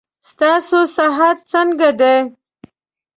ستاسو صحت څنګه ده.